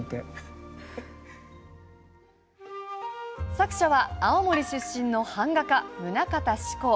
作者は青森出身の版画家棟方志功。